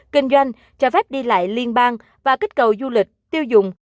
kinh doanh cho phép đi lại liên bang và kích cầu du lịch tiêu dùng